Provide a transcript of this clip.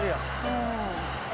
うん。